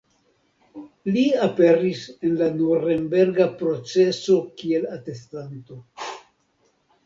Li aperis en la Nurenberga proceso kiel atestanto.